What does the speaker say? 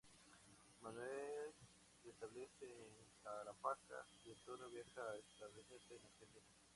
Manuel se establece en Tarapacá y Antonio viaja a establecerse en Argentina.